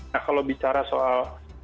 nah kalau bicara soal apa namanya kontennya apa